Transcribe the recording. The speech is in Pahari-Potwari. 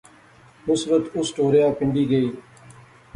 نصرت اس ٹوریا پنڈی گئی